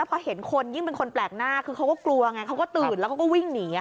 เป็นคนแปลกหน้าคือเขาก็กลัวไงเขาก็ตื่นแล้วก็วิ่งหนี